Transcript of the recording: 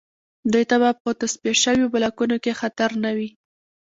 دوی ته به په تصفیه شویو بلاکونو کې خطر نه وي